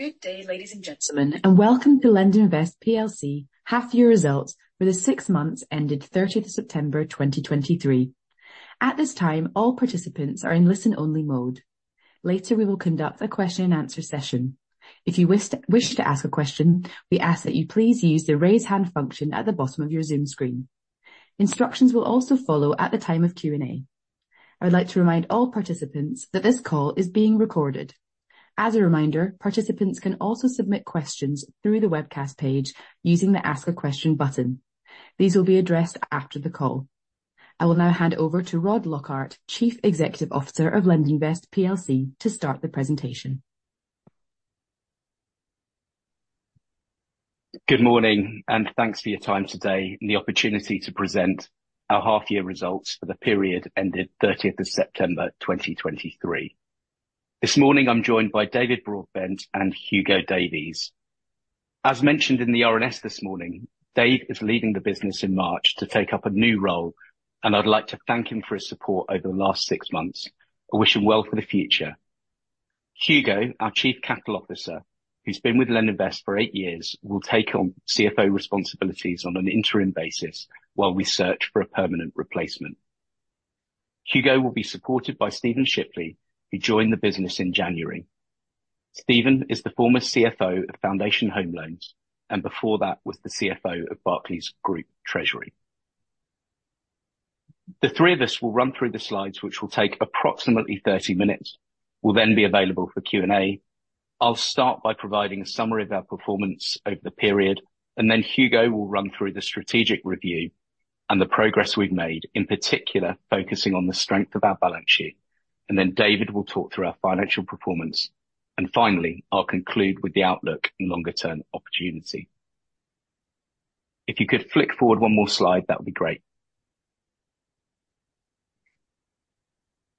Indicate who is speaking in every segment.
Speaker 1: Good day, ladies and gentlemen, and welcome to LendInvest plc half-year results for the six months ended 30th of September, 2023. At this time, all participants are in listen-only mode. Later, we will conduct a question and answer session. If you wish to ask a question, we ask that you please use the Raise Hand function at the bottom of your Zoom screen. Instructions will also follow at the time of Q&A. I would like to remind all participants that this call is being recorded. As a reminder, participants can also submit questions through the webcast page using the Ask a Question button. These will be addressed after the call. I will now hand over to Rod Lockhart, Chief Executive Officer of LendInvest plc, to start the presentation.
Speaker 2: Good morning, and thanks for your time today and the opportunity to present our half-year results for the period ended 30th of September, 2023. This morning, I'm joined by David Broadbent and Hugo Davies. As mentioned in the RNS this morning, Dave is leaving the business in March to take up a new role, and I'd like to thank him for his support over the last six months. I wish him well for the future. Hugo, our Chief Capital Officer, who's been with LendInvest for eight years, will take on CFO responsibilities on an interim basis while we search for a permanent replacement. Hugo will be supported by Stephen Shipley, who joined the business in January. Stephen is the former CFO of Foundation Home Loans, and before that, was the CFO of Barclays Group Treasury. The three of us will run through the slides, which will take approximately 30 minutes. We'll then be available for Q&A. I'll start by providing a summary of our performance over the period, and then Hugo will run through the strategic review and the progress we've made, in particular, focusing on the strength of our balance sheet. And then David will talk through our financial performance. And finally, I'll conclude with the outlook and longer-term opportunity. If you could flick forward one more slide, that would be great.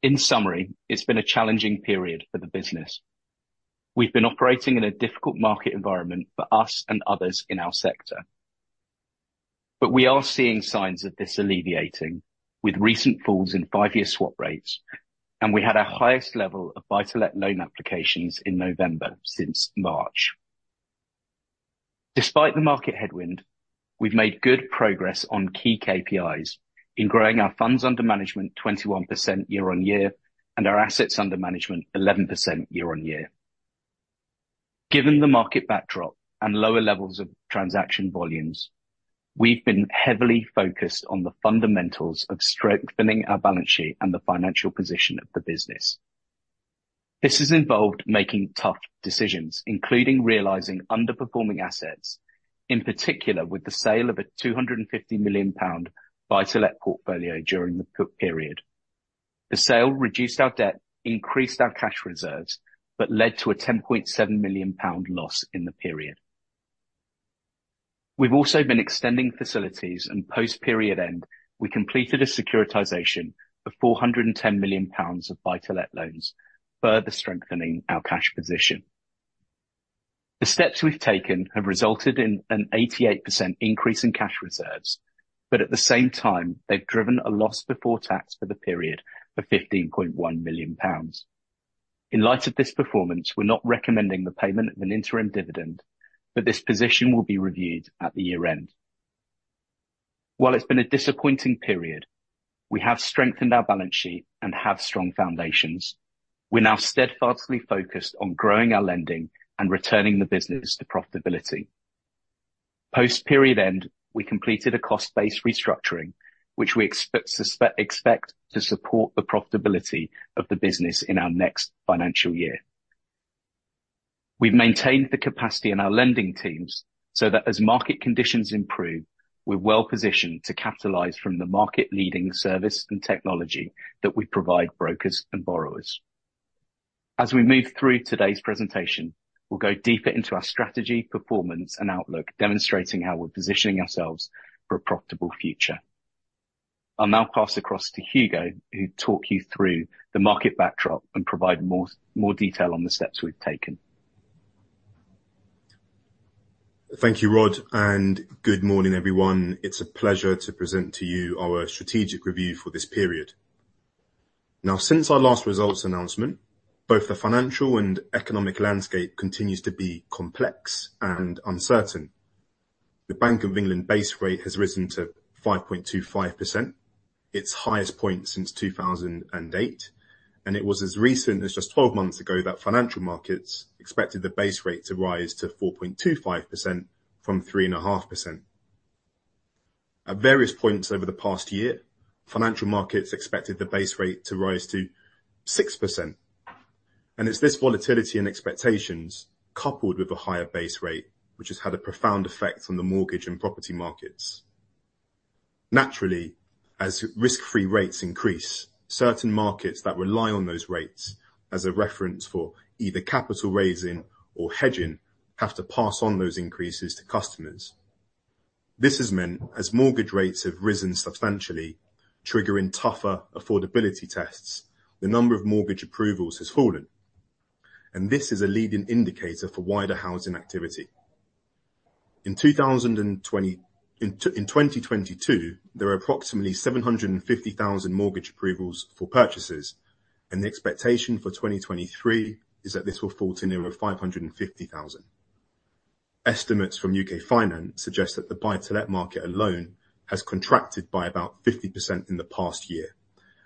Speaker 2: In summary, it's been a challenging period for the business. We've been operating in a difficult market environment for us and others in our sector. But we are seeing signs of this alleviating with recent falls in five-year swap rates, and we had our highest level of buy-to-let loan applications in November, since March. Despite the market headwind, we've made good progress on key KPIs in growing our funds under management 21% year-on-year, and our assets under management 11% year-on-year. Given the market backdrop and lower levels of transaction volumes, we've been heavily focused on the fundamentals of strengthening our balance sheet and the financial position of the business. This has involved making tough decisions, including realizing underperforming assets, in particular, with the sale of a 250 million pound buy-to-let portfolio during the period. The sale reduced our debt, increased our cash reserves, but led to a 10.7 million pound loss in the period. We've also been extending facilities, and post-period end, we completed a securitization of 410 million pounds of buy-to-let loans, further strengthening our cash position. The steps we've taken have resulted in an 88% increase in cash reserves, but at the same time, they've driven a loss before tax for the period of GBP 15.1 million. In light of this performance, we're not recommending the payment of an interim dividend, but this position will be reviewed at the year-end. While it's been a disappointing period, we have strengthened our balance sheet and have strong foundations. We're now steadfastly focused on growing our lending and returning the business to profitability. Post-period end, we completed a cost-based restructuring, which we expect to support the profitability of the business in our next financial year. We've maintained the capacity in our lending teams so that as market conditions improve, we're well positioned to capitalize from the market-leading service and technology that we provide brokers and borrowers. As we move through today's presentation, we'll go deeper into our strategy, performance and outlook, demonstrating how we're positioning ourselves for a profitable future. I'll now pass across to Hugo, who'll talk you through the market backdrop and provide more detail on the steps we've taken.
Speaker 3: Thank you, Rod, and good morning, everyone. It's a pleasure to present to you our strategic review for this period. Now, since our last results announcement, both the financial and economic landscape continues to be complex and uncertain. The Bank of England base rate has risen to 5.25%, its highest point since 2008, and it was as recent as just 12 months ago that financial markets expected the base rate to rise to 4.25% from 3.5%. At various points over the past year, financial markets expected the base rate to rise to 6%, and it's this volatility and expectations, coupled with a higher base rate, which has had a profound effect on the mortgage and property markets. Naturally, as risk-free rates increase, certain markets that rely on those rates as a reference for either capital raising or hedging, have to pass on those increases to customers. This has meant, as mortgage rates have risen substantially, triggering tougher affordability tests, the number of mortgage approvals has fallen, and this is a leading indicator for wider housing activity. In 2022, there were approximately 750,000 mortgage approvals for purchases, and the expectation for 2023 is that this will fall to nearer 550,000. Estimates from UK Finance suggest that the buy-to-let market alone has contracted by about 50% in the past year,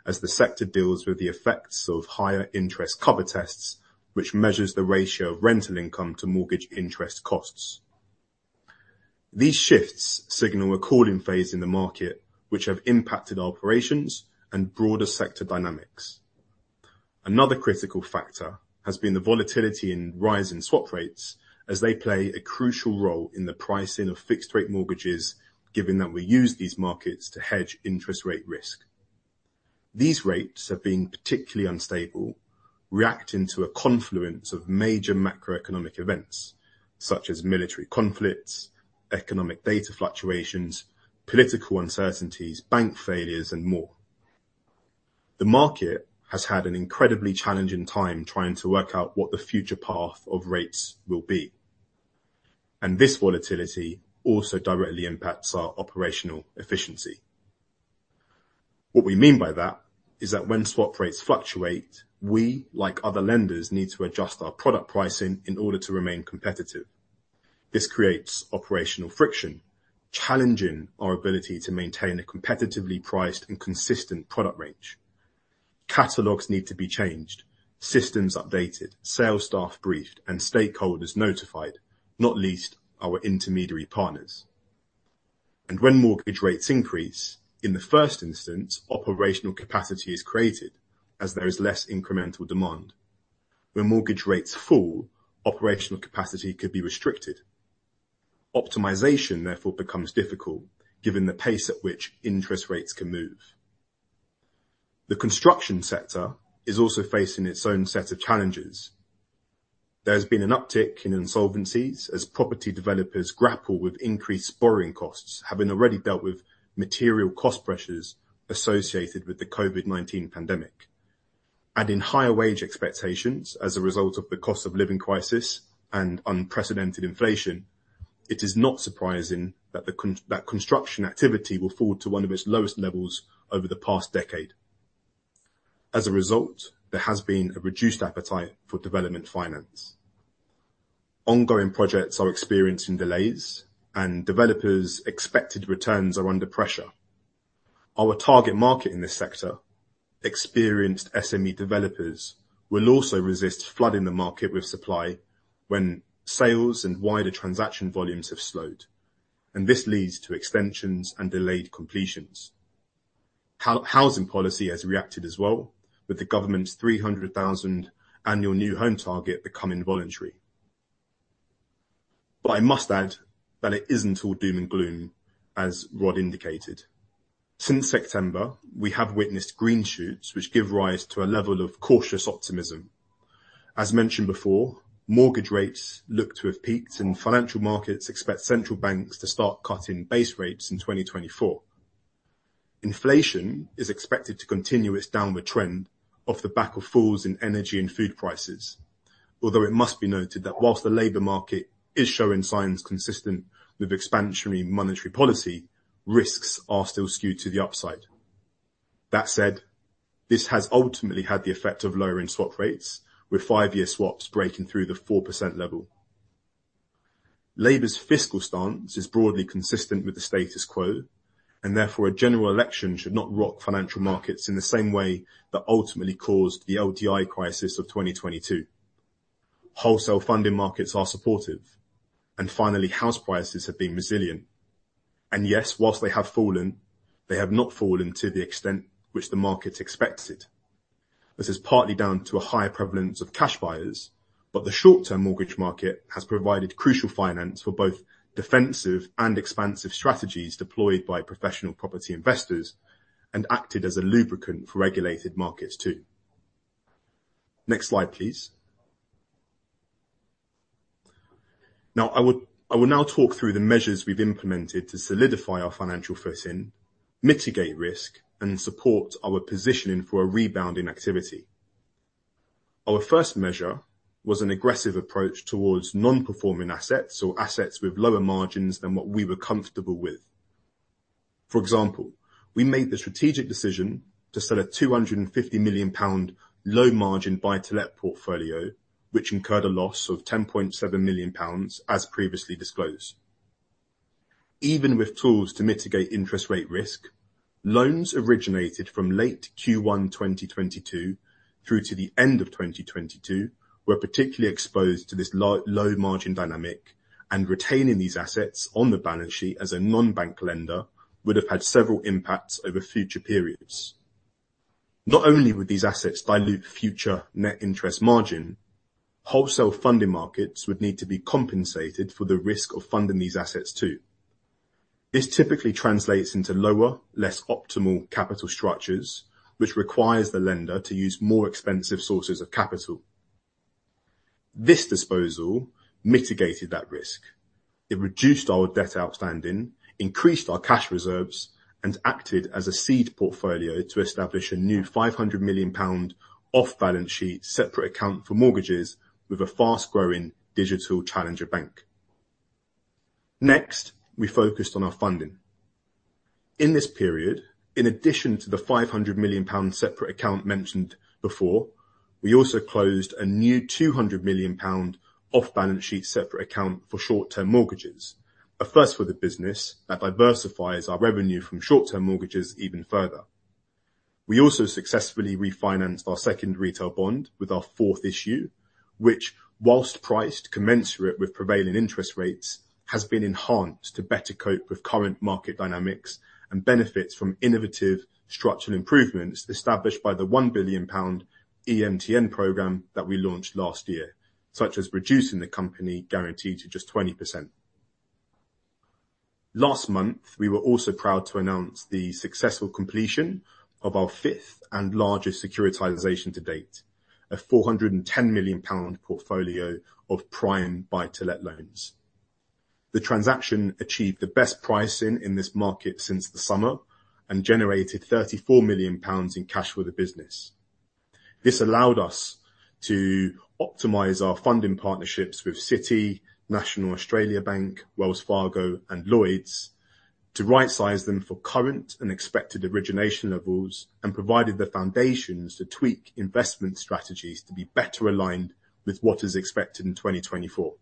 Speaker 3: as the sector deals with the effects of higher interest cover tests, which measures the ratio of rental income to mortgage interest costs. These shifts signal a cooling phase in the market, which have impacted our operations and broader sector dynamics. Another critical factor has been the volatility and rise in swap rates, as they play a crucial role in the pricing of fixed rate mortgages, given that we use these markets to hedge interest rate risk. These rates have been particularly unstable, reacting to a confluence of major macroeconomic events, such as military conflicts, economic data fluctuations, political uncertainties, bank failures, and more. The market has had an incredibly challenging time trying to work out what the future path of rates will be. This volatility also directly impacts our operational efficiency. What we mean by that, is that when swap rates fluctuate, we, like other lenders, need to adjust our product pricing in order to remain competitive. This creates operational friction, challenging our ability to maintain a competitively priced and consistent product range. Catalogs need to be changed, systems updated, sales staff briefed, and stakeholders notified, not least our intermediary partners. When mortgage rates increase, in the first instance, operational capacity is created as there is less incremental demand. When mortgage rates fall, operational capacity could be restricted. Optimization, therefore, becomes difficult, given the pace at which interest rates can move. The construction sector is also facing its own set of challenges. There's been an uptick in insolvencies as property developers grapple with increased borrowing costs, having already dealt with material cost pressures associated with the COVID-19 pandemic. Add in higher wage expectations as a result of the cost of living crisis and unprecedented inflation. It is not surprising that construction activity will fall to one of its lowest levels over the past decade. As a result, there has been a reduced appetite for development finance. Ongoing projects are experiencing delays, and developers' expected returns are under pressure. Our target market in this sector, experienced SME developers, will also resist flooding the market with supply when sales and wider transaction volumes have slowed, and this leads to extensions and delayed completions. Housing policy has reacted as well, with the government's 300,000 annual new home target becoming voluntary. But I must add that it isn't all doom and gloom, as Rod indicated. Since September, we have witnessed green shoots, which give rise to a level of cautious optimism. As mentioned before, mortgage rates look to have peaked, and financial markets expect central banks to start cutting base rates in 2024. Inflation is expected to continue its downward trend off the back of falls in energy and food prices. Although it must be noted that while the labor market is showing signs consistent with expansionary monetary policy, risks are still skewed to the upside. That said, this has ultimately had the effect of lowering swap rates, with five-year swaps breaking through the 4% level. Labour's fiscal stance is broadly consistent with the status quo, and therefore a general election should not rock financial markets in the same way that ultimately caused the LDI crisis of 2022. Wholesale funding markets are supportive, and finally, house prices have been resilient. And yes, while they have fallen, they have not fallen to the extent which the market expected. This is partly down to a higher prevalence of cash buyers, but the short-term mortgage market has provided crucial finance for both defensive and expansive strategies deployed by professional property investors and acted as a lubricant for regulated markets, too. Next slide, please. Now, I will now talk through the measures we've implemented to solidify our financial footing, mitigate risk, and support our positioning for a rebounding activity. Our first measure was an aggressive approach towards non-performing assets or assets with lower margins than what we were comfortable with. For example, we made the strategic decision to sell a 250 million pound low-margin buy-to-let portfolio, which incurred a loss of 10.7 million pounds, as previously disclosed. Even with tools to mitigate interest rate risk, loans originated from late Q1 2022 through to the end of 2022, were particularly exposed to this low margin dynamic, and retaining these assets on the balance sheet as a non-bank lender would have had several impacts over future periods. Not only would these assets dilute future net interest margin, wholesale funding markets would need to be compensated for the risk of funding these assets, too. This typically translates into lower, less optimal capital structures, which requires the lender to use more expensive sources of capital. This disposal mitigated that risk. It reduced our debt outstanding, increased our cash reserves, and acted as a seed portfolio to establish a new 500 million pound off-balance sheet, separate account for mortgages with a fast-growing digital challenger bank. Next, we focused on our funding. In this period, in addition to the 500 million pound separate account mentioned before, we also closed a new 200 million pound off-balance sheet separate account for short-term mortgages, a first for the business that diversifies our revenue from short-term mortgages even further. We also successfully refinanced our second retail bond with our fourth issue, which, whilst priced commensurate with prevailing interest rates, has been enhanced to better cope with current market dynamics and benefits from innovative structural improvements established by the 1 billion pound EMTN program that we launched last year, such as reducing the company guarantee to just 20%. Last month, we were also proud to announce the successful completion of our fifth and largest securitization to date, a 410 million pound portfolio of prime buy-to-let loans. The transaction achieved the best pricing in this market since the summer and generated 34 million pounds in cash for the business. This allowed us to optimize our funding partnerships with Citi, National Australia Bank, Wells Fargo, and Lloyds to rightsize them for current and expected origination levels, and provided the foundations to tweak investment strategies to be better aligned with what is expected in 2024.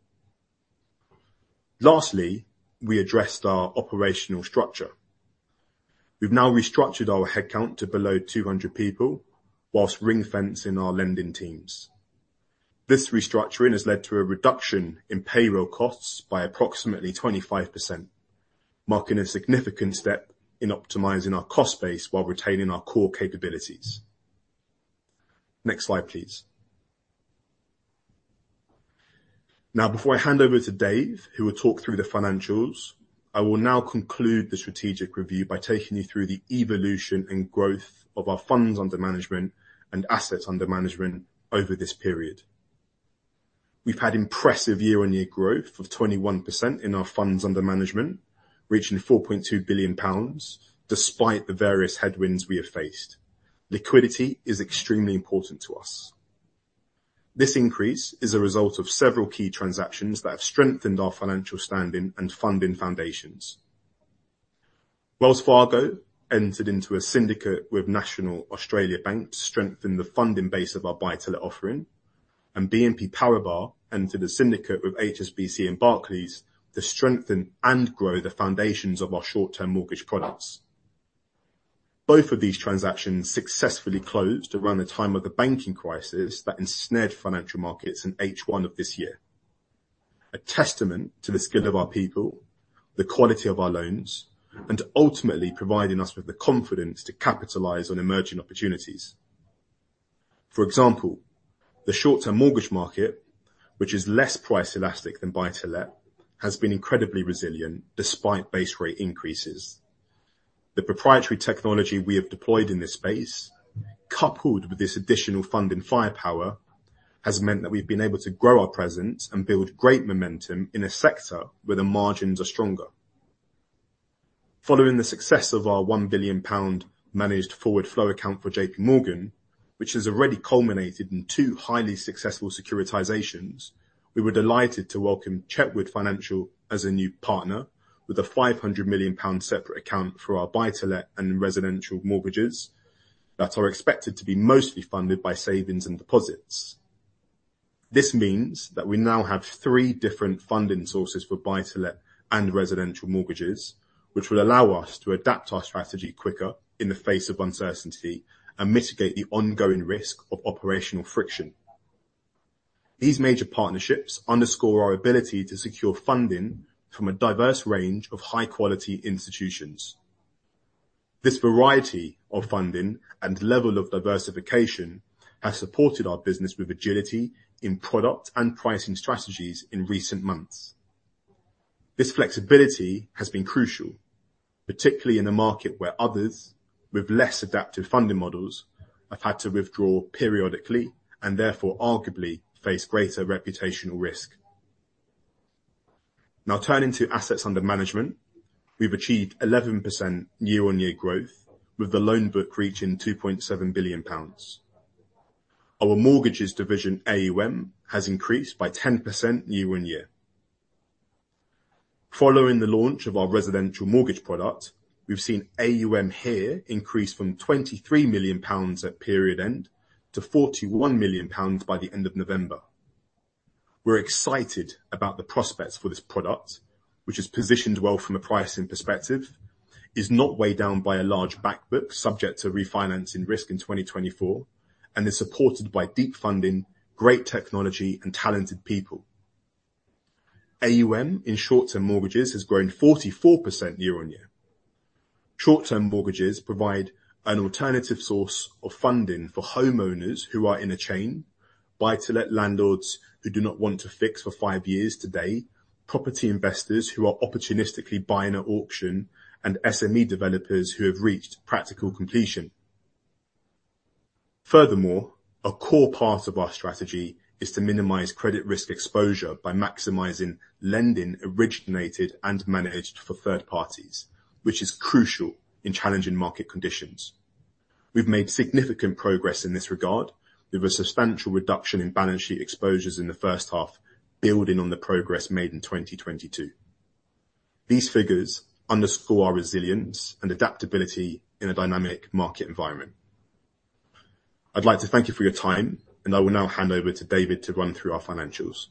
Speaker 3: Lastly, we addressed our operational structure. We've now restructured our headcount to below 200 people, while ring-fencing our lending teams. This restructuring has led to a reduction in payroll costs by approximately 25%, marking a significant step in optimizing our cost base while retaining our core capabilities. Next slide, please. Now, before I hand over to Dave, who will talk through the financials, I will now conclude the strategic review by taking you through the evolution and growth of our funds under management and assets under management over this period. We've had impressive year-on-year growth of 21% in our funds under management, reaching 4.2 billion pounds, despite the various headwinds we have faced. Liquidity is extremely important to us. This increase is a result of several key transactions that have strengthened our financial standing and funding foundations. Wells Fargo entered into a syndicate with National Australia Bank to strengthen the funding base of our buy-to-let offering, and BNP Paribas entered a syndicate with HSBC and Barclays to strengthen and grow the foundations of our short-term mortgage products. Both of these transactions successfully closed around the time of the banking crisis that ensnared financial markets in H1 of this year. A testament to the skill of our people, the quality of our loans, and ultimately providing us with the confidence to capitalize on emerging opportunities. For example, the short-term mortgage market, which is less price elastic than buy-to-let, has been incredibly resilient despite base rate increases. The proprietary technology we have deployed in this space, coupled with this additional funding firepower, has meant that we've been able to grow our presence and build great momentum in a sector where the margins are stronger. Following the success of our 1 billion pound managed forward flow account for JPMorgan, which has already culminated in two highly successful securitizations, we were delighted to welcome Chetwood Financial as a new partner with a 500 million pound separate account for our buy-to-let and residential mortgages that are expected to be mostly funded by savings and deposits. This means that we now have three different funding sources for buy-to-let and residential mortgages, which will allow us to adapt our strategy quicker in the face of uncertainty and mitigate the ongoing risk of operational friction. These major partnerships underscore our ability to secure funding from a diverse range of high-quality institutions. This variety of funding and level of diversification have supported our business with agility in product and pricing strategies in recent months. This flexibility has been crucial, particularly in a market where others with less adaptive funding models have had to withdraw periodically and therefore arguably face greater reputational risk. Now, turning to assets under management, we've achieved 11% year-on-year growth, with the loan book reaching 2.7 billion pounds. Our mortgages division, AUM, has increased by 10% year-on-year. Following the launch of our residential mortgage product, we've seen AUM here increase from 23 million pounds at period end to 41 million pounds by the end of November. We're excited about the prospects for this product, which is positioned well from a pricing perspective, is not weighed down by a large back book subject to refinancing risk in 2024, and is supported by deep funding, great technology, and talented people. AUM, in short-term mortgages, has grown 44% year-on-year. Short-term mortgages provide an alternative source of funding for homeowners who are in a chain, buy-to-let landlords who do not want to fix for five years today, property investors who are opportunistically buying at auction, and SME developers who have reached practical completion. Furthermore, a core part of our strategy is to minimize credit risk exposure by maximizing lending originated and managed for 3rd parties, which is crucial in challenging market conditions. We've made significant progress in this regard, with a substantial reduction in balance sheet exposures in the first half, building on the progress made in 2022. These figures underscore our resilience and adaptability in a dynamic market environment. I'd like to thank you for your time, and I will now hand over to David to run through our financials.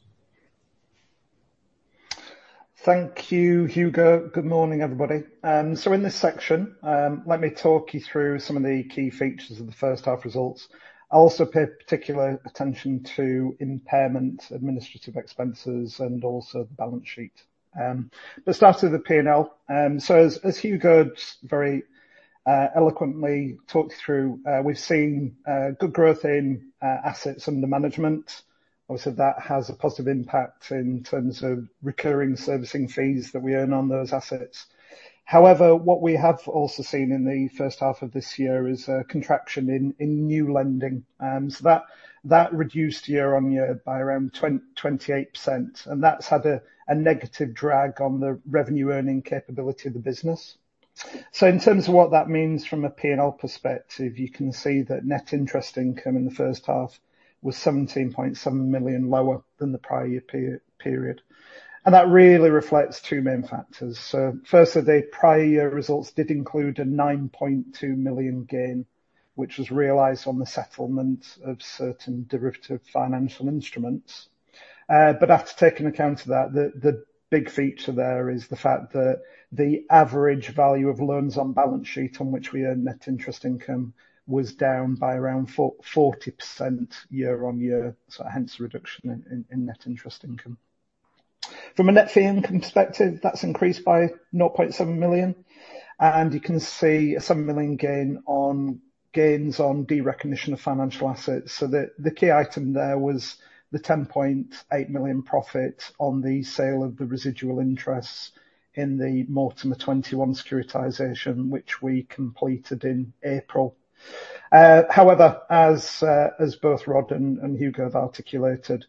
Speaker 4: Thank you, Hugo. Good morning, everybody. So in this section, let me talk you through some of the key features of the first half results. I'll also pay particular attention to impairment, administrative expenses, and also the balance sheet. Let's start with the P&L. So as Hugo just very eloquently talked through, we've seen good growth in assets under management. Obviously, that has a positive impact in terms of recurring servicing fees that we earn on those assets. However, what we have also seen in the first half of this year is a contraction in new lending. So that reduced year-on-year by around 28%, and that's had a negative drag on the revenue-earning capability of the business. So in terms of what that means from a P&L perspective, you can see that net interest income in the first half was 17.7 million lower than the prior year period, and that really reflects two main factors. So firstly, the prior year results did include a 9.2 million gain, which was realized on the settlement of certain derivative financial instruments. But after taking account of that, the big feature there is the fact that the average value of loans on balance sheet, on which we earn net interest income, was down by around 40% year-on-year, so hence the reduction in net interest income. From a net fee income perspective, that's increased by 0.7 million, and you can see a 7 million gain on derecognition of financial assets. So the key item there was the 10.8 million profit on the sale of the residual interests in the Mortimer 21 securitization, which we completed in April. However, as both Rod and Hugo have articulated,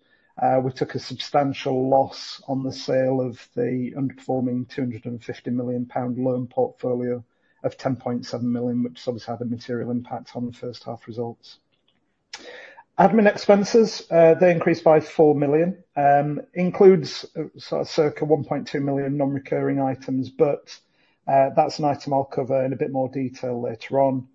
Speaker 4: we took a substantial loss on the sale of the underperforming 250 million pound loan portfolio of 10.7 million, which obviously had a material impact on the first half results. Admin expenses, they increased by 4 million, includes sort of circa 1.2 million non-recurring items, but that's an item I'll cover in a bit more detail later on.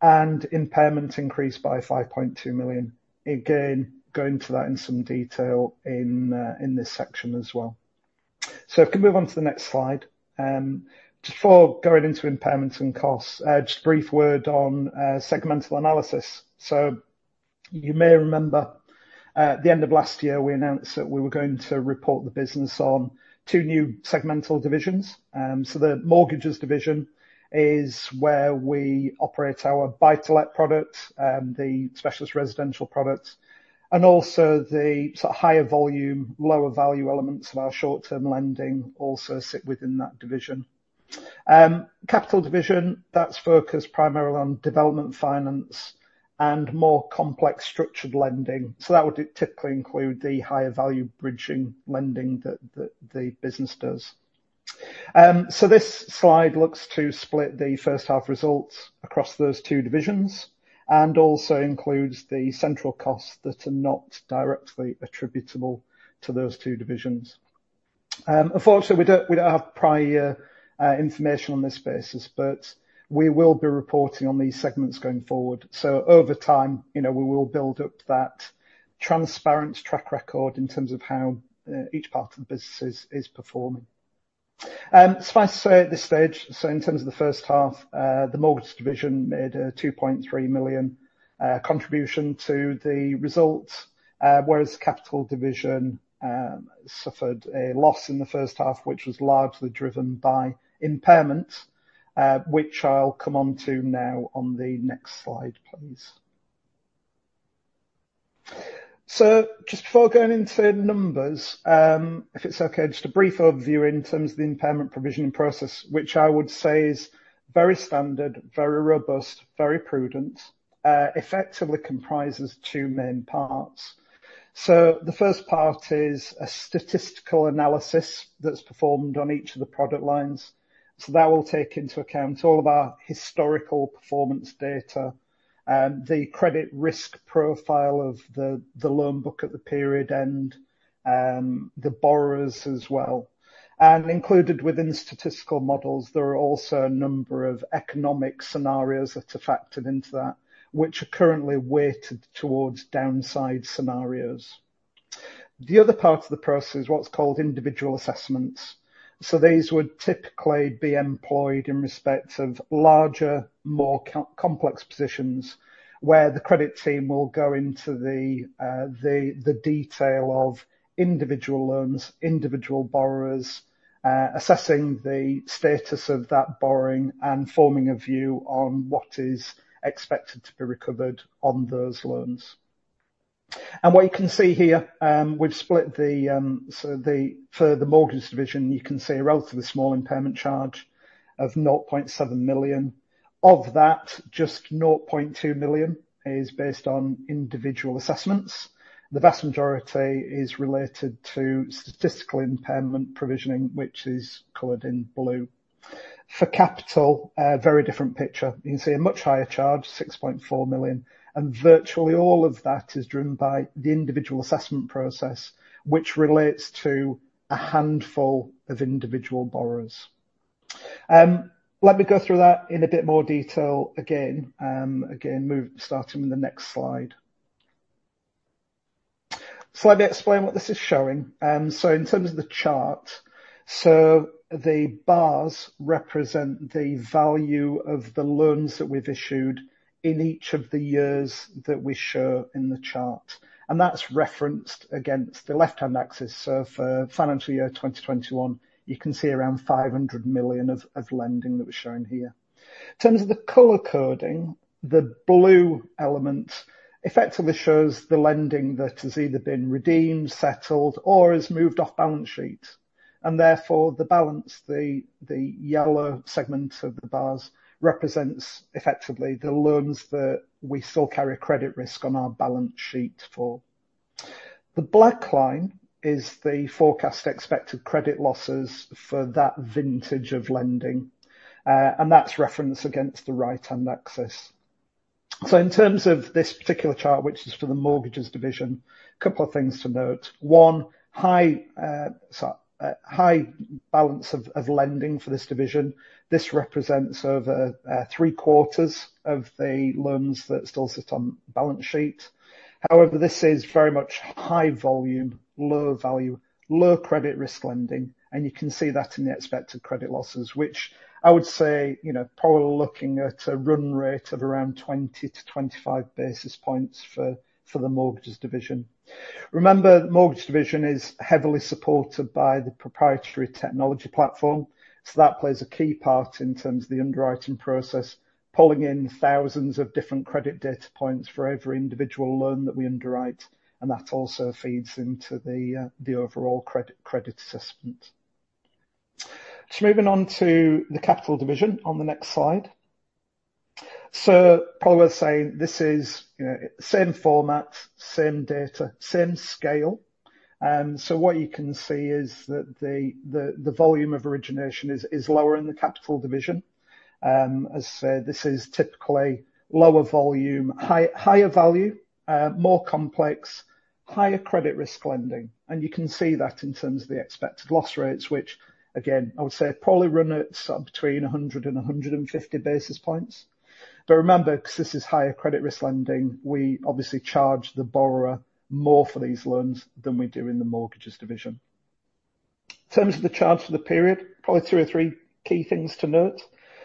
Speaker 4: And impairment increased by 5.2 million. Again, go into that in some detail in this section as well. So if you can move on to the next slide. Just before going into impairments and costs, just a brief word on segmental analysis. So you may remember, at the end of last year, we announced that we were going to report the business on two new segmental divisions. So the mortgages division is where we operate our buy-to-let product, the specialist residential products, and also the sort of higher volume, lower value elements of our short-term lending also sit within that division. Capital division, that's focused primarily on development finance and more complex structured lending, so that would typically include the higher value bridging lending that the business does. So this slide looks to split the first half results across those two divisions and also includes the central costs that are not directly attributable to those two divisions. Unfortunately, we don't, we don't have prior year information on this basis, but we will be reporting on these segments going forward. So over time, you know, we will build up that transparent track record in terms of how each part of the business is performing. Suffice to say at this stage, so in terms of the first half, the mortgages division made a 2.3 million contribution to the results, whereas the capital division suffered a loss in the first half, which was largely driven by impairment, which I'll come on to now on the next slide, please. So just before going into the numbers, if it's okay, just a brief overview in terms of the impairment provisioning process, which I would say is very standard, very robust, very prudent, effectively comprises two main parts. So the first part is a statistical analysis that's performed on each of the product lines. So that will take into account all of our historical performance data and the credit risk profile of the loan book at the period end, the borrowers as well. And included within the statistical models, there are also a number of economic scenarios that are factored into that, which are currently weighted towards downside scenarios. The other part of the process is what's called individual assessments. So these would typically be employed in respect of larger, more complex positions, where the credit team will go into the detail of individual loans, individual borrowers, assessing the status of that borrowing and forming a view on what is expected to be recovered on those loans. What you can see here, we've split the, so the, for the mortgages division, you can see a relatively small impairment charge of 0.7 million. Of that, just 0.2 million is based on individual assessments. The vast majority is related to statistical impairment provisioning, which is colored in blue. For capital, a very different picture. You can see a much higher charge, 6.4 million, and virtually all of that is driven by the individual assessment process, which relates to a handful of individual borrowers. Let me go through that in a bit more detail again. Again, move, starting in the next slide. So let me explain what this is showing. So in terms of the chart, so the bars represent the value of the loans that we've issued in each of the years that we show in the chart, and that's referenced against the left-hand axis. So for financial year 2021, you can see around 500 million of lending that was shown here. In terms of the color coding, the blue element effectively shows the lending that has either been redeemed, settled, or has moved off balance sheet, and therefore, the balance, the yellow segment of the bars represents effectively the loans that we still carry credit risk on our balance sheet for. The black line is the forecast expected credit losses for that vintage of lending, and that's referenced against the right-hand axis. So in terms of this particular chart, which is for the mortgages division, a couple of things to note. On high, so high balance of lending for this division. This represents over three quarters of the loans that still sit on balance sheet. However, this is very much high volume, low value, low credit risk lending, and you can see that in the expected credit losses, which I would say, you know, probably looking at a run rate of around 20-25 basis points for the mortgages division. Remember, the mortgage division is heavily supported by the proprietary technology platform, so that plays a key part in terms of the underwriting process, pulling in thousands of different credit data points for every individual loan that we underwrite, and that also feeds into the overall credit assessment. So moving on to the capital division on the next slide. So probably worth saying, this is, you know, same format, same data, same scale. So what you can see is that the volume of origination is lower in the capital division. As said, this is typically lower volume, higher value, more complex, higher credit risk lending, and you can see that in terms of the expected loss rates, which again, I would say probably run at between 100 and 150 basis points. But remember, because this is higher credit risk lending, we obviously charge the borrower more for these loans than we do in the mortgages division. In terms of the charge for the period, probably two or three key things to note.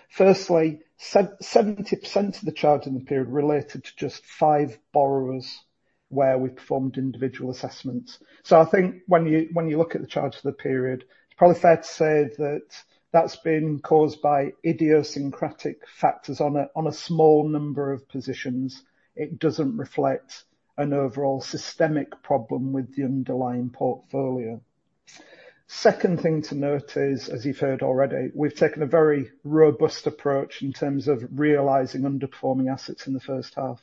Speaker 4: Firstly, 70% of the charge in the period related to just five borrowers, where we performed individual assessments. So I think when you look at the charge for the period, it's probably fair to say that that's been caused by idiosyncratic factors on a small number of positions. It doesn't reflect an overall systemic problem with the underlying portfolio. Second thing to note is, as you've heard already, we've taken a very robust approach in terms of realizing underperforming assets in the first half,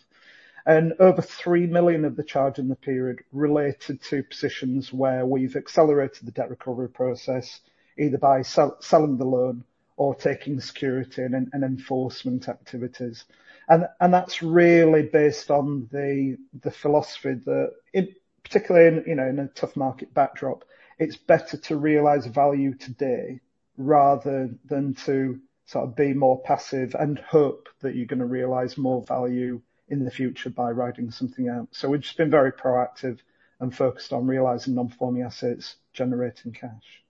Speaker 4: and over 3 million of the charge in the period related to positions where we've accelerated the debt recovery process, either by selling the loan or taking security and enforcement activities. That's really based on the philosophy that, in particular, in, you know, in a tough market backdrop, it's better to realize value today rather than to sort of be more passive and hope that you're gonna realize more value in the future by riding something out. So we've just been very proactive and focused on realizing non-performing assets, generating cash.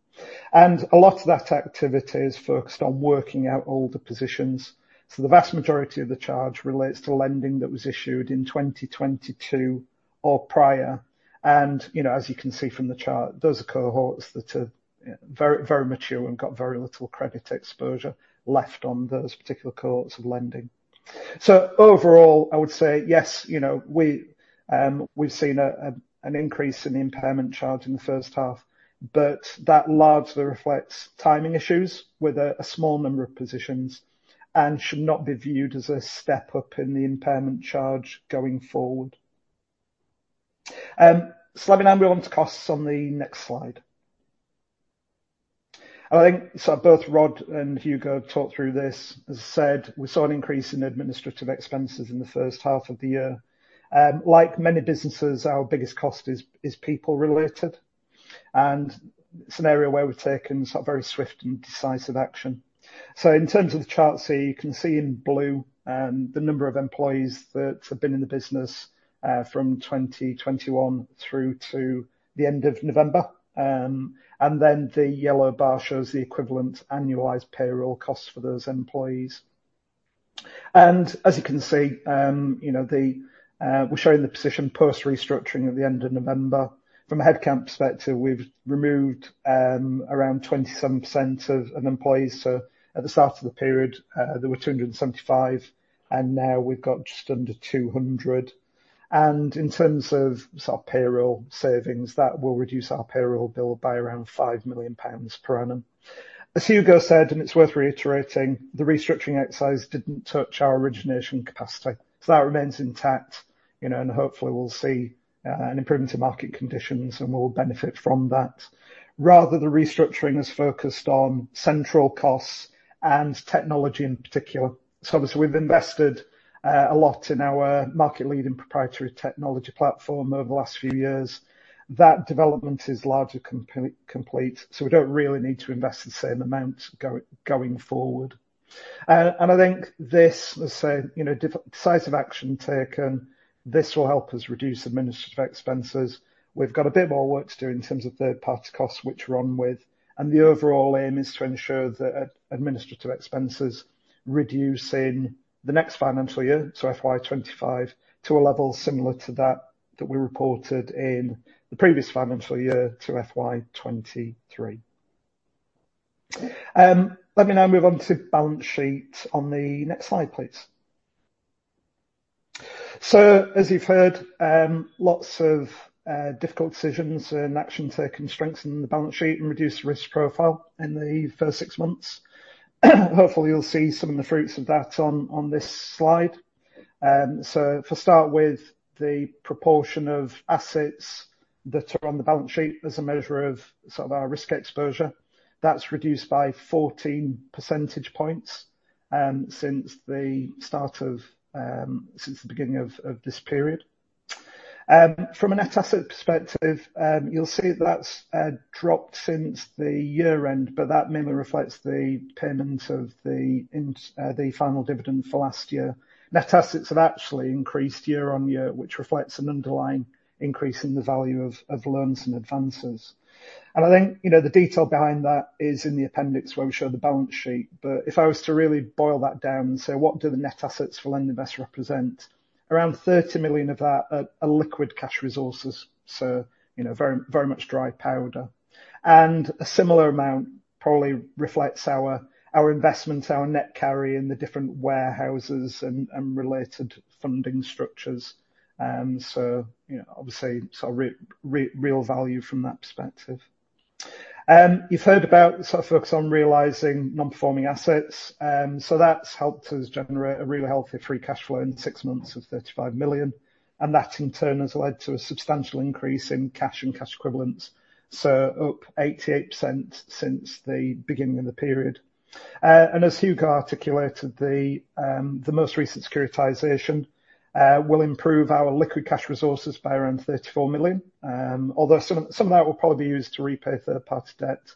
Speaker 4: And a lot of that activity is focused on working out older positions, so the vast majority of the charge relates to lending that was issued in 2022 or prior, and, you know, as you can see from the chart, those are cohorts that are very, very mature and got very little credit exposure left on those particular cohorts of lending. So overall, I would say yes, you know, we, we've seen a, an increase in the impairment charge in the first half, but that largely reflects timing issues with a small number of positions, and should not be viewed as a step up in the impairment charge going forward. So let's move on to costs on the next slide. I think, so both Rod and Hugo talked through this. As I said, we saw an increase in administrative expenses in the first half of the year. Like many businesses, our biggest cost is people related, and it's an area where we've taken sort of very swift and decisive action. So in terms of the chart, so you can see in blue, the number of employees that have been in the business from 2021 through to the end of November. And then the yellow bar shows the equivalent annualized payroll costs for those employees. And as you can see, you know, the, we're showing the position post-restructuring at the end of November. From a headcount perspective, we've removed around 27% of our employees. So at the start of the period, there were 275, and now we've got just under 200. And in terms of sort of payroll savings, that will reduce our payroll bill by around 5 million pounds per annum. As Hugo said, and it's worth reiterating, the restructuring exercise didn't touch our origination capacity, so that remains intact. You know, and hopefully we'll see an improvement in market conditions, and we'll benefit from that. Rather, the restructuring is focused on central costs and technology in particular. So obviously, we've invested a lot in our market-leading proprietary technology platform over the last few years. That development is largely complete, so we don't really need to invest the same amount going forward. And I think this, as I say, you know, decisive action taken, this will help us reduce administrative expenses. We've got a bit more work to do in terms of 3rd-party costs, which we're on with, and the overall aim is to ensure that administrative expenses reduce in the next financial year, so FY 2025, to a level similar to that that we reported in the previous financial year, so FY 2023. Let me now move on to balance sheet on the next slide, please. As you've heard, lots of difficult decisions and action taken to strengthen the balance sheet and reduce the risk profile in the first six months. Hopefully, you'll see some of the fruits of that on this slide. To start with, the proportion of assets that are on the balance sheet as a measure of sort of our risk exposure, that's reduced by 14 percentage points since the beginning of this period. From a net asset perspective, you'll see that's dropped since the year-end, but that mainly reflects the payment of the final dividend for last year. Net assets have actually increased year-on-year, which reflects an underlying increase in the value of loans and advances. And I think, you know, the detail behind that is in the appendix, where we show the balance sheet. But if I was to really boil that down and say, what do the net assets for LendInvest represent? Around 30 million of that are liquid cash resources, so, you know, very, very much dry powder. And a similar amount probably reflects our investments, our net carry in the different warehouses and related funding structures. So, you know, obviously, sort of real value from that perspective. You've heard about sort of focus on realizing non-performing assets. So that's helped us generate a really healthy free cashflow in six months of 35 million, and that, in turn, has led to a substantial increase in cash and cash equivalents, so up 88% since the beginning of the period. As Hugo articulated, the most recent securitization will improve our liquid cash resources by around 34 million. Although some of that will probably be used to repay 3rd-party debt,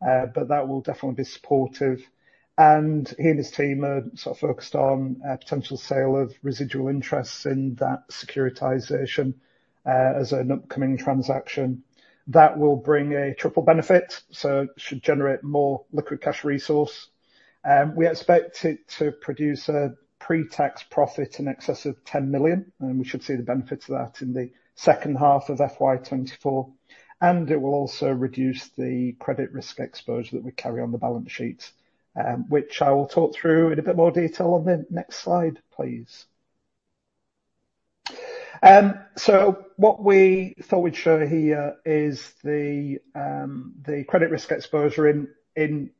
Speaker 4: but that will definitely be supportive. He and his team are sort of focused on a potential sale of residual interests in that securitization as an upcoming transaction. That will bring a triple benefit, so should generate more liquid cash resource. We expect it to produce a pre-tax profit in excess of 10 million, and we should see the benefits of that in the second half of FY 2024. It will also reduce the credit risk exposure that we carry on the balance sheet, which I will talk through in a bit more detail on the next slide, please. So what we thought we'd show here is the credit risk exposure in GBP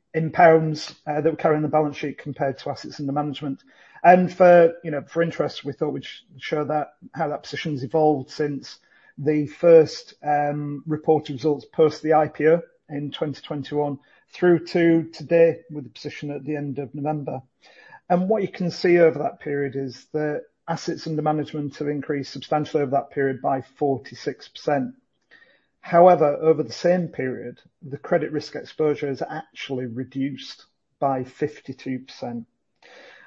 Speaker 4: that we carry on the balance sheet compared to assets under management. And for, you know, for interest, we thought we'd show that, how that position has evolved since the first reported results post the IPO in 2021 through to today, with the position at the end of November. And what you can see over that period is that assets under management have increased substantially over that period by 46%. However, over the same period, the credit risk exposure has actually reduced by 52%.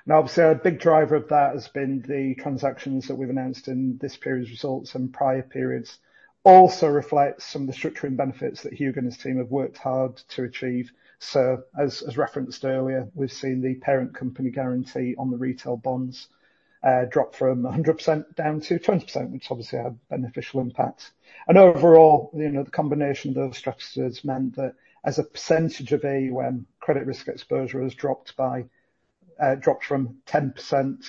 Speaker 4: Now, obviously, our big driver of that has been the transactions that we've announced in this period's results and prior periods. Also reflects some of the structuring benefits that Hugo and his team have worked hard to achieve. So as referenced earlier, we've seen the parent company guarantee on the retail bonds drop from 100% down to 20%, which obviously had a beneficial impact. And overall, you know, the combination of structures meant that as a percentage of AUM, credit risk exposure has dropped by, dropped from 10%,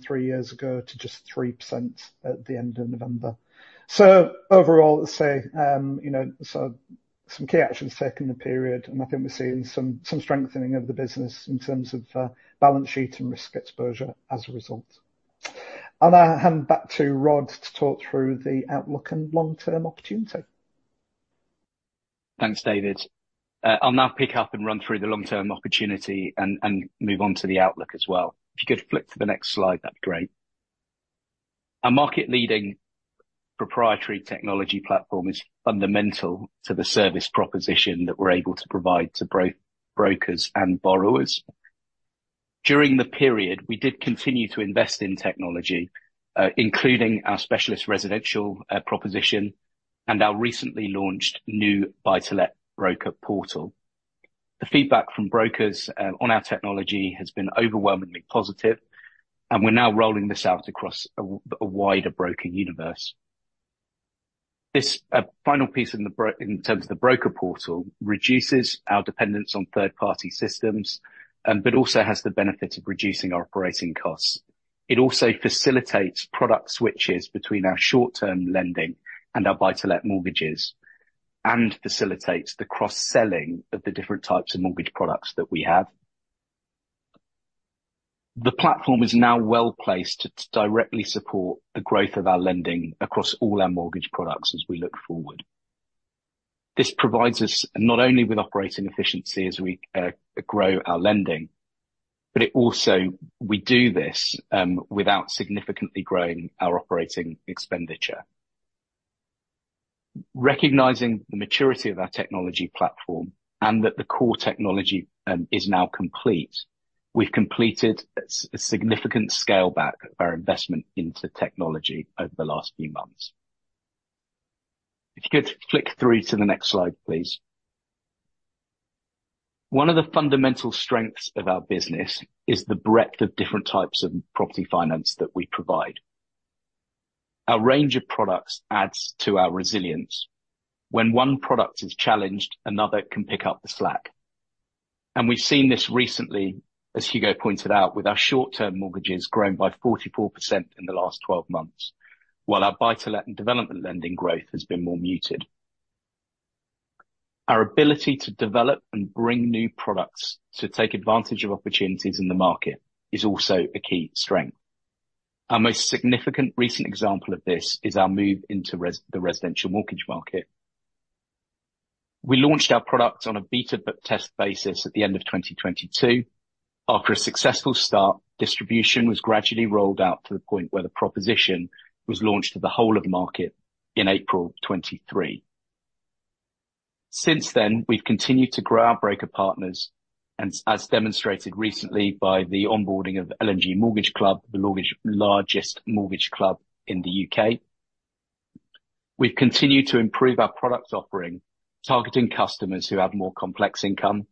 Speaker 4: three years ago, to just 3% at the end of November. So overall, let's say, you know, so some key actions taken in the period, and I think we're seeing some strengthening of the business in terms of balance sheet and risk exposure as a result. And I hand back to Rod to talk through the outlook and long-term opportunity.
Speaker 2: Thanks, David. I'll now pick up and run through the long-term opportunity and move on to the outlook as well. If you could flip to the next slide, that'd be great. Our market-leading proprietary technology platform is fundamental to the service proposition that we're able to provide to brokers and borrowers. During the period, we did continue to invest in technology, including our specialist residential proposition and our recently launched new buy-to-let broker portal. The feedback from brokers on our technology has been overwhelmingly positive, and we're now rolling this out across a wider broker universe. This final piece in terms of the broker portal reduces our dependence on 3rd-party systems but also has the benefit of reducing our operating costs. It also facilitates product switches between our short-term lending and our buy-to-let mortgages, and facilitates the cross-selling of the different types of mortgage products that we have. The platform is now well-placed to directly support the growth of our lending across all our mortgage products as we look forward. This provides us not only with operating efficiency as we grow our lending, but it also we do this without significantly growing our operating expenditure. Recognizing the maturity of our technology platform and that the core technology is now complete, we've completed a significant scale back of our investment into technology over the last few months. If you could flick through to the next slide, please. One of the fundamental strengths of our business is the breadth of different types of property finance that we provide. Our range of products adds to our resilience. When one product is challenged, another can pick up the slack, and we've seen this recently, as Hugo pointed out, with our short-term mortgages growing by 44% in the last 12 months, while our buy-to-let and development lending growth has been more muted. Our ability to develop and bring new products to take advantage of opportunities in the market is also a key strength. Our most significant recent example of this is our move into the residential mortgage market. We launched our product on a beta test basis at the end of 2022. After a successful start, distribution was gradually rolled out to the point where the proposition was launched to the whole of the market in April 2023. Since then, we've continued to grow our broker partners and as demonstrated recently by the onboarding of L&G Mortgage Club, the largest mortgage club in the U.K. We've continued to improve our product offering, targeting customers who have more complex income,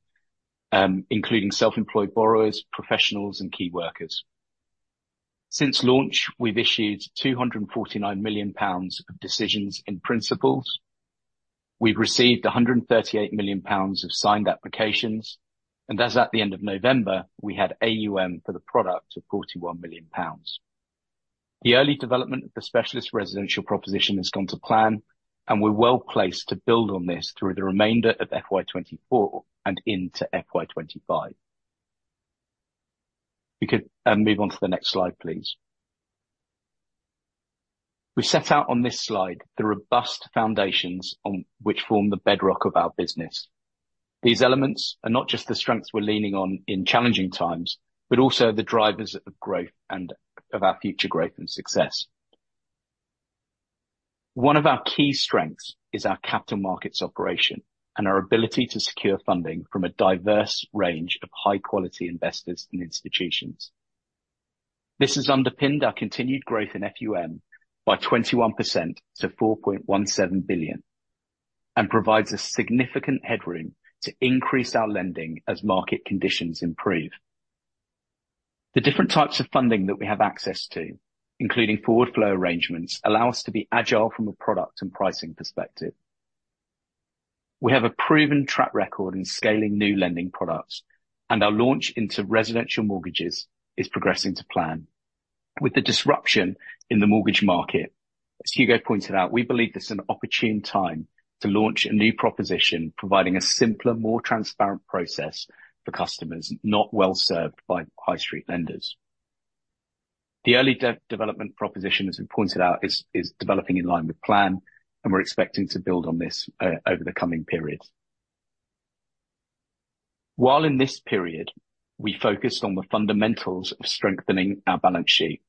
Speaker 2: including self-employed borrowers, professionals, and key workers. Since launch, we've issued 249 million pounds of decisions in principle. We've received 138 million pounds of signed applications, and as at the end of November, we had AUM for the product of 41 million pounds. The early development of the specialist residential proposition has gone to plan, and we're well placed to build on this through the remainder of FY 2024 and into FY 2025. We could move on to the next slide, please. We set out on this slide the robust foundations on which forms the bedrock of our business. These elements are not just the strengths we're leaning on in challenging times, but also the drivers of growth and of our future growth and success. One of our key strengths is our capital markets operation and our ability to secure funding from a diverse range of high-quality investors and institutions. This has underpinned our continued growth in FUM by 21% to 4.17 billion, and provides us significant headroom to increase our lending as market conditions improve. The different types of funding that we have access to, including forward flow arrangements, allow us to be agile from a product and pricing perspective. We have a proven track record in scaling new lending products, and our launch into residential mortgages is progressing to plan. With the disruption in the mortgage market, as Hugo pointed out, we believe this is an opportune time to launch a new proposition, providing a simpler, more transparent process for customers not well served by high street lenders. The early development proposition, as we pointed out, is developing in line with plan, and we're expecting to build on this over the coming periods. While in this period, we focused on the fundamentals of strengthening our balance sheet,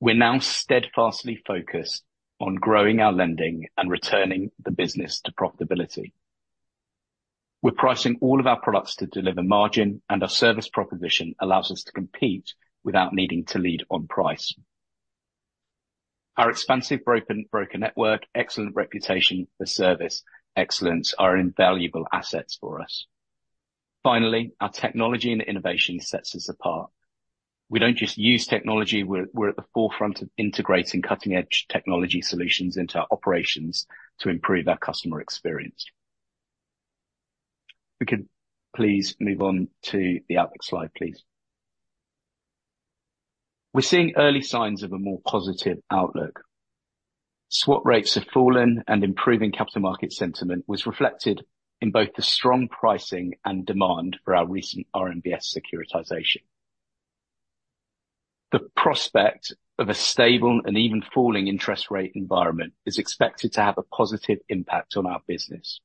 Speaker 2: we're now steadfastly focused on growing our lending and returning the business to profitability. We're pricing all of our products to deliver margin, and our service proposition allows us to compete without needing to lead on price. Our expansive broker network, excellent reputation for service excellence, are invaluable assets for us. Finally, our technology and innovation sets us apart. We don't just use technology, we're at the forefront of integrating cutting-edge technology solutions into our operations to improve our customer experience. We could please move on to the outlook slide, please. We're seeing early signs of a more positive outlook. Swap rates have fallen, and improving capital market sentiment was reflected in both the strong pricing and demand for our recent RMBS securitization. The prospect of a stable and even falling interest rate environment is expected to have a positive impact on our business.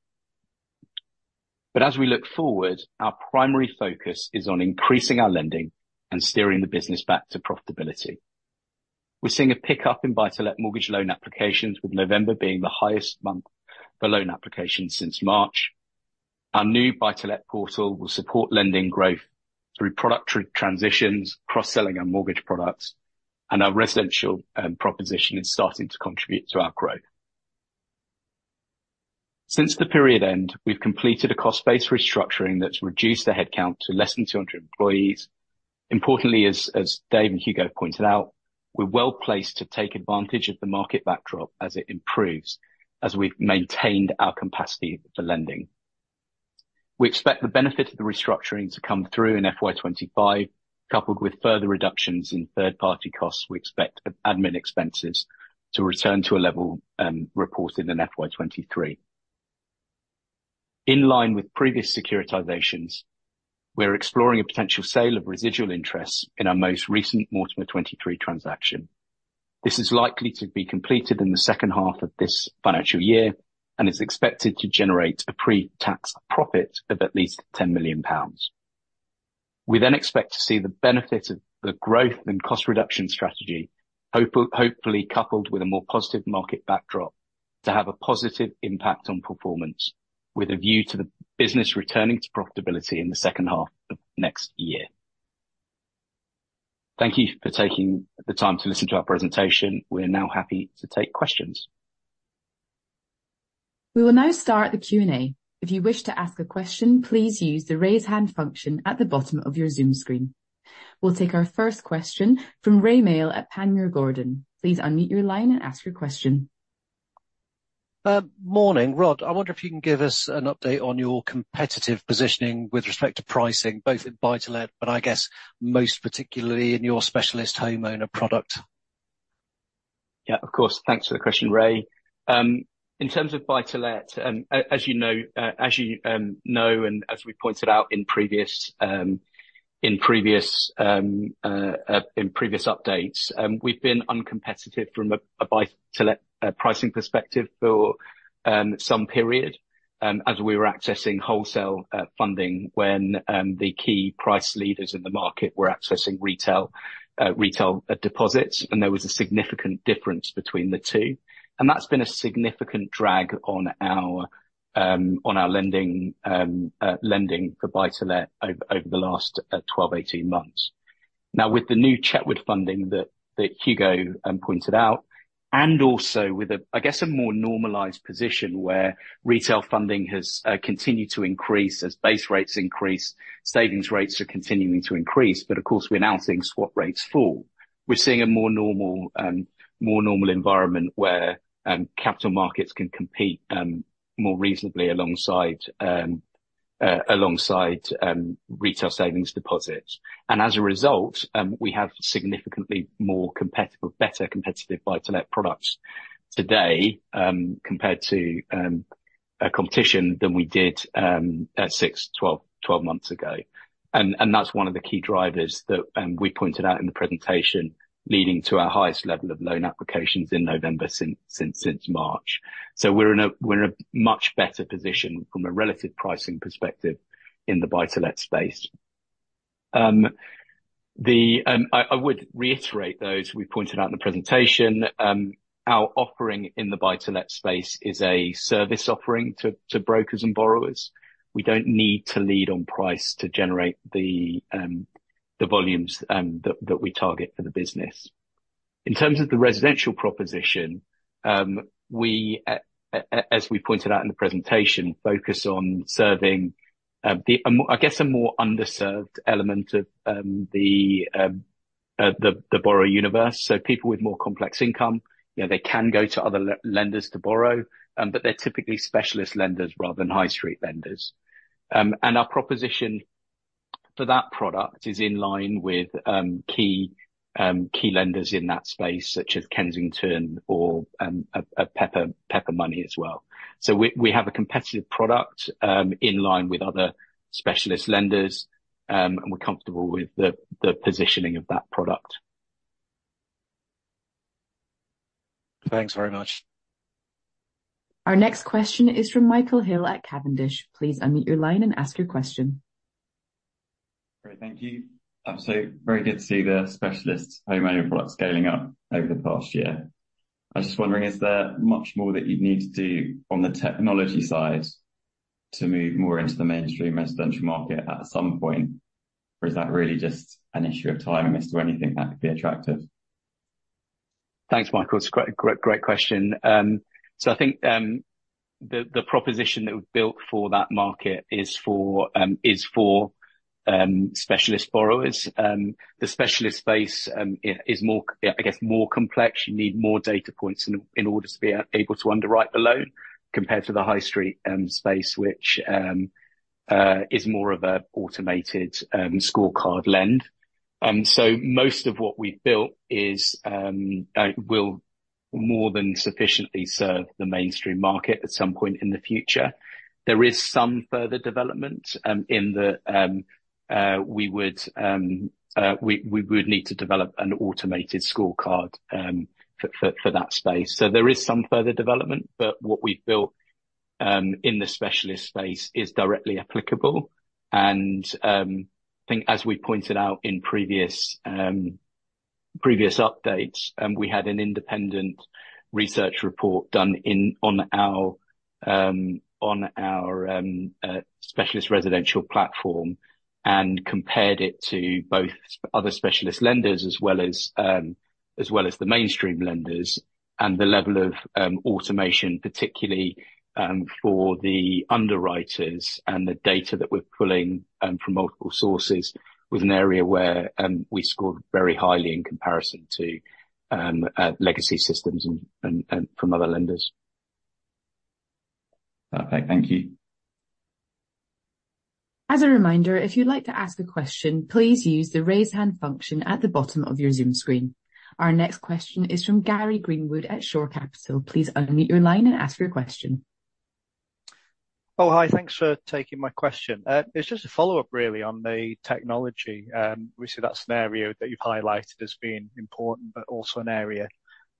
Speaker 2: But as we look forward, our primary focus is on increasing our lending and steering the business back to profitability. We're seeing a pickup in buy-to-let mortgage loan applications, with November being the highest month for loan applications since March. Our new buy-to-let portal will support lending growth through product transitions, cross-selling our mortgage products, and our residential proposition is starting to contribute to our growth. Since the period end, we've completed a cost-based restructuring that's reduced the headcount to less than 200 employees. Importantly, Dave and Hugo pointed out, we're well placed to take advantage of the market backdrop as it improves, as we've maintained our capacity for lending. We expect the benefit of the restructuring to come through in FY 2025, coupled with further reductions in 3rd-party costs, we expect admin expenses to return to a level reported in FY 2023. In line with previous securitizations, we're exploring a potential sale of residual interests in our most recent Mortimer 23 transaction. This is likely to be completed in the second half of this financial year and is expected to generate a pre-tax profit of at least 10 million pounds. We then expect to see the benefits of the growth and cost reduction strategy, hopefully coupled with a more positive market backdrop, to have a positive impact on performance, with a view to the business returning to profitability in the second half of next year. Thank you for taking the time to listen to our presentation. We're now happy to take questions.
Speaker 1: We will now start the Q&A. If you wish to ask a question, please use the Raise Hand function at the bottom of your Zoom screen. We'll take our first question from Rae Maile at Panmure Gordon. Please unmute your line and ask your question.
Speaker 5: Morning, Rod. I wonder if you can give us an update on your competitive positioning with respect to pricing, both in buy-to-let, but I guess most particularly in your specialist homeowner product.
Speaker 2: Yeah, of course. Thanks for the question, Rae. In terms of buy-to-let, as you know, and as we pointed out in previous updates, we've been uncompetitive from a buy-to-let pricing perspective for some period, as we were accessing wholesale funding, when the key price leaders in the market were accessing retail deposits, and there was a significant difference between the two. And that's been a significant drag on our lending for buy-to-let over the last 12-18 months. Now, with the new Chetwood funding that Hugo pointed out, and also with, I guess, a more normalized position where retail funding has continued to increase. As base rates increase, savings rates are continuing to increase, but of course, we're now seeing swap rates fall. We're seeing a more normal environment, where capital markets can compete more reasonably alongside retail savings deposits. As a result, we have significantly more competitive, better competitive buy-to-let products today compared to a competition than we did six, 12 months ago. That's one of the key drivers that we pointed out in the presentation, leading to our highest level of loan applications in November since March. So we're in a much better position from a relative pricing perspective in the buy-to-let space. The. I would reiterate, though, as we pointed out in the presentation, our offering in the buy-to-let space is a service offering to brokers and borrowers. We don't need to lead on price to generate the volumes that we target for the business. In terms of the residential proposition, we as we pointed out in the presentation, focus on serving the a more, I guess, a more underserved element of the the borrower universe. So people with more complex income, you know, they can go to other lenders to borrow, but they're typically specialist lenders rather than high street lenders. And our proposition for that product is in line with key key lenders in that space, such as Kensington or Pepper Money as well. So we have a competitive product in line with other specialist lenders, and we're comfortable with the positioning of that product.
Speaker 5: Thanks very much.
Speaker 1: Our next question is from Michael Hill at Cavendish. Please unmute your line and ask your question.
Speaker 6: Great. Thank you. Absolutely, very good to see the specialist homeowner product scaling up over the past year. I was just wondering, is there much more that you'd need to do on the technology side to move more into the mainstream residential market at some point? Or is that really just an issue of timing as to anything that could be attractive?
Speaker 2: Thanks, Michael. It's a great, great, great question. So I think the proposition that we've built for that market is for specialist borrowers. The specialist space is more, I guess, more complex. You need more data points in order to be able to underwrite the loan, compared to the High Street space, which is more of an automated scorecard lend. So most of what we've built will more than sufficiently serve the mainstream market at some point in the future. There is some further development. We would need to develop an automated scorecard for that space. So there is some further development, but what we've built in the specialist space is directly applicable. I think as we pointed out in previous updates, we had an independent research report done on our specialist residential platform and compared it to both other specialist lenders, as well as the mainstream lenders. The level of automation, particularly for the underwriters and the data that we're pulling from multiple sources, was an area where we scored very highly in comparison to legacy systems and from other lenders.
Speaker 6: Perfect. Thank you.
Speaker 1: As a reminder, if you'd like to ask a question, please use the Raise Hand function at the bottom of your Zoom screen. Our next question is from Gary Greenwood at Shore Capital. Please unmute your line and ask your question.
Speaker 7: Oh, hi. Thanks for taking my question. It's just a follow-up, really, on the technology. We see that scenario that you've highlighted as being important, but also an area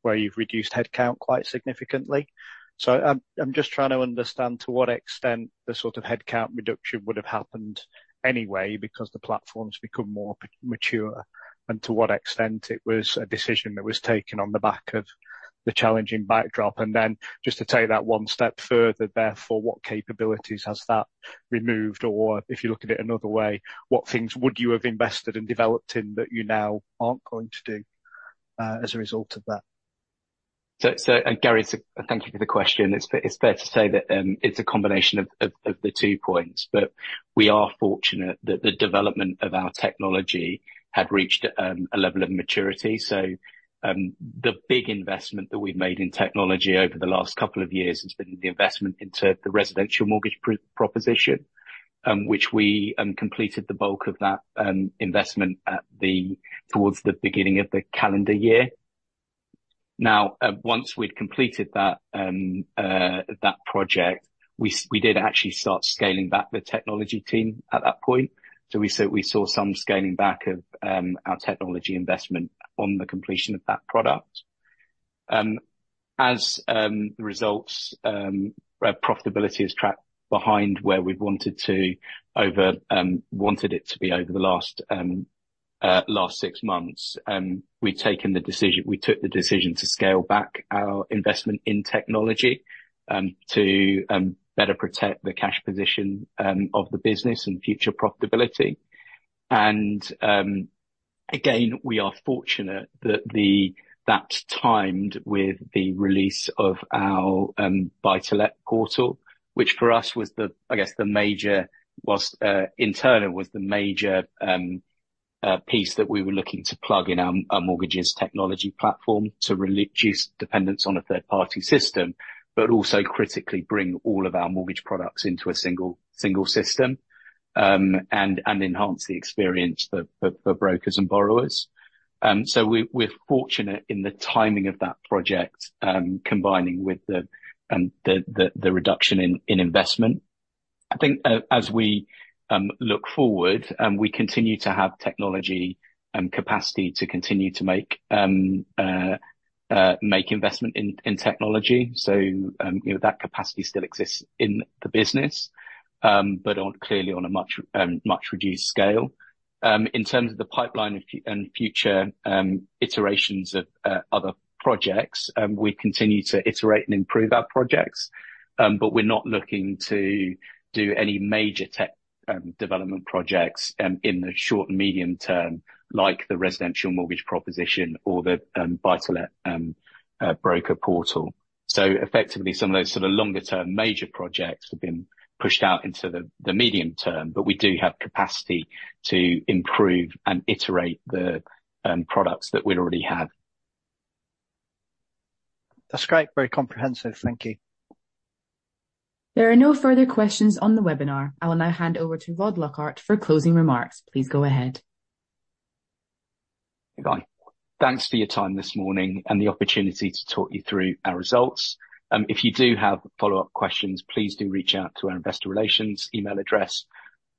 Speaker 7: where you've reduced headcount quite significantly. I'm just trying to understand to what extent the sort of headcount reduction would have happened anyway, because the platform's become more mature, and to what extent it was a decision that was taken on the back of the challenging backdrop. Then just to take that one step further, therefore, what capabilities has that removed? Or if you look at it another way, what things would you have invested and developed in that you now aren't going to do, as a result of that?
Speaker 2: Gary, thank you for the question. It's fair to say that it's a combination of the two points, but we are fortunate that the development of our technology had reached a level of maturity. So, the big investment that we've made in technology over the last couple of years has been the investment into the residential mortgage proposition, which we completed the bulk of that investment towards the beginning of the calendar year. Now, once we'd completed that project, we did actually start scaling back the technology team at that point. So we saw some scaling back of our technology investment on the completion of that product. As the results, profitability has tracked behind where we've wanted it to be over the last six months, we've taken the decision, we took the decision to scale back our investment in technology to better protect the cash position of the business and future profitability. And again, we are fortunate that that's timed with the release of our Buy-to-Let portal, which for us was, I guess, the major internal piece that we were looking to plug in our mortgages technology platform to reduce dependence on a 3rd-party system, but also critically bring all of our mortgage products into a single system and enhance the experience for brokers and borrowers. So we're fortunate in the timing of that project, combining with the reduction in investment. I think as we look forward, we continue to have technology and capacity to continue to make investment in technology. So you know, that capacity still exists in the business, but clearly on a much reduced scale. In terms of the pipeline and future iterations of other projects, we continue to iterate and improve our projects, but we're not looking to do any major tech development projects in the short and medium term, like the residential mortgage proposition or the Buy-to-Let broker portal. Effectively, some of those sort of longer term major projects have been pushed out into the medium term, but we do have capacity to improve and iterate the products that we already have.
Speaker 7: That's great. Very comprehensive. Thank you.
Speaker 1: There are no further questions on the webinar. I will now hand over to Rod Lockhart for closing remarks. Please go ahead.
Speaker 2: Hi. Thanks for your time this morning and the opportunity to talk you through our results. If you do have follow-up questions, please do reach out to our investor relations email address.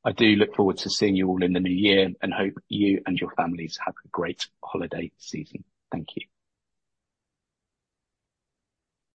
Speaker 2: I do look forward to seeing you all in the new year, and hope you and your families have a great holiday season. Thank you.